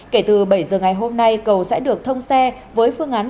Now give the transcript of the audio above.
kể từ bảy giờ ngày hôm nay cầu sẽ được thông xe với phương án